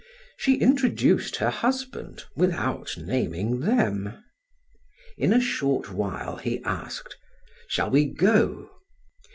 She introduced her husband without naming them. In a short while, he asked: "Shall we go?"